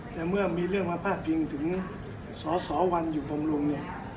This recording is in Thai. แต่เมื่อมีเรื่องมาพาดพิงถึงสสวันอยู่บำรุงเนี่ย